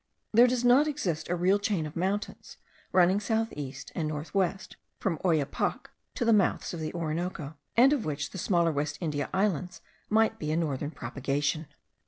There does not exist a real chain of mountains running south east and north west from Oyapoc to the mouths of the Orinoco, and of which the smaller West India Islands might be a northern prolongation.